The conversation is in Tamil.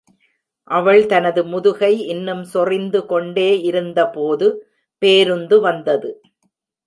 அவள் தனது முதுகை இன்னும் சொறிந்து கொண்டே இருந்த போது, பேருந்து வந்தது.